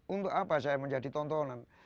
untuk apa saya menjadi tontonan